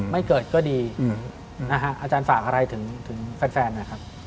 ไม่เกิดก็ดีนะฮะอาจารย์ฝากอะไรถึงแฟนหน่อยครับ